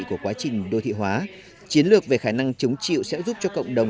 của quá trình đô thị hóa chiến lược về khả năng chống chịu sẽ giúp cho cộng đồng